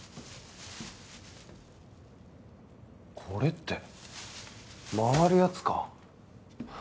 これって回るやつか！？